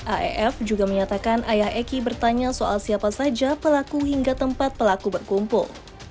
aef juga menyatakan ayah eki bertanya soal siapa saja pelaku hingga tempat pelaku berkumpul